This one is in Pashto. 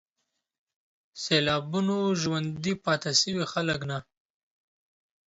سېلابونو ژوندي پاتې شوي خلک نه